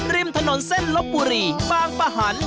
ริมถนนเส้นลบบุรีบางปะหัน